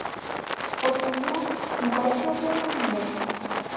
От уж мо, могай чапле мланде!